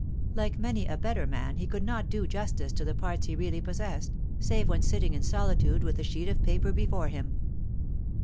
Like many a better man, he could not do justice to the parts he really possessed, save when sitting in solitude with a sheet of paper before him.